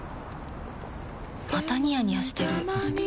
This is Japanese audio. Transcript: またニヤニヤしてるふふ。